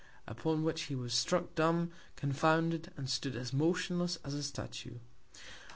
Upon which he was struck dumb, confounded, and stood as motionless as a Statue.